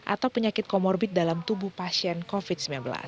atau penyakit komorbit dalam tubuh pasien covid sembilan belas